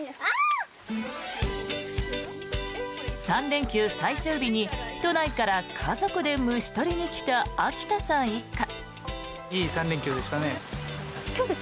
３連休最終日に都内から家族で虫捕りに来た秋田さん一家。